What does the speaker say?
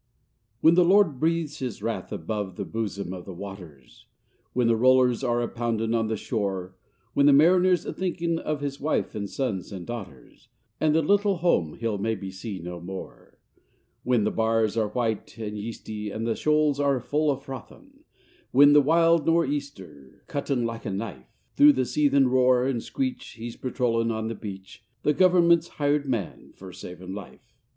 When the Lord breathes his wrath above the bosom of the waters, When the rollers are a poundin' on the shore, When the mariner's a thinkin' of his wife and sons and daughters, And the little home he'll, maybe, see no more; When the bars are white and yeasty and the shoals are all a frothin', When the wild no'theaster's cuttin' like a knife; Through the seethin' roar and screech he's patrollin' on the beach, The Gov'ment's hired man fer savin' life.